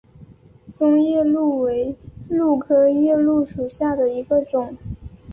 棕夜鹭为鹭科夜鹭属下的一个种。